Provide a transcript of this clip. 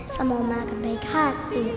sama omah yang baik hati